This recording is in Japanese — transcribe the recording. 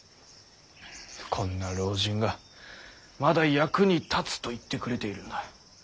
こんな老人がまだ役に立つと言ってくれているんだ。